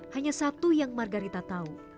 hanya satu yang margarita tahu